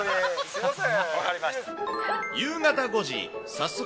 すみません。